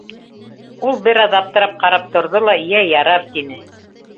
— Ул бер аҙ аптырап ҡарап торҙо ла: — Йә, ярар, — тине.